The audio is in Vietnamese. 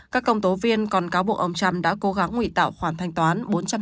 các công tố viên còn cáo buộc ông trump đã cố gắng ngụy tạo khoản thanh toán